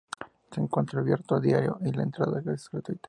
Se encuentra abierto a diario y la entrada es gratuita.